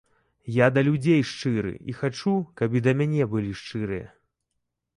Я да людзей шчыры і хачу, каб і да мяне былі шчырыя.